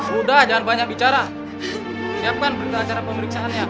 sudah jangan banyak bicara siapkan berita acara pemeriksaan ya